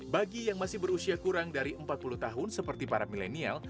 bagi yang masih berusia kurang dari empat puluh tahun seperti para milenial